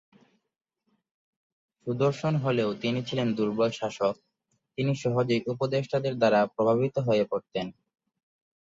সুদর্শন হলেও তিনি ছিলেন দূর্বল শাসক, তিনি সহজেই উপদেষ্টাদের দ্বারা প্রভাবিত হয়ে পরতেন।